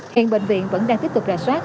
hiện bệnh viện vẫn đang tiếp tục ra soát